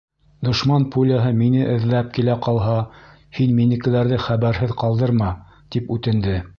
Дошман пуляһы мине эҙләп килә ҡалһа, һин минекеләрҙе хәбәрһеҙ ҡалдырма, тип үтенде.